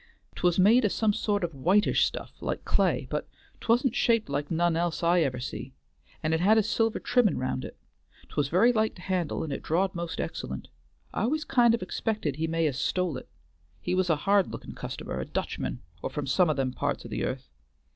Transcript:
"'Twas made o' some sort o' whitish stuff like clay, but 'twa'n't shaped like none else I ever see and it had a silver trimmin' round it; 'twas very light to handle and it drawed most excellent. I al'ays kind o' expected he may have stole it; he was a hard lookin' customer, a Dutchman or from some o' them parts o' the earth.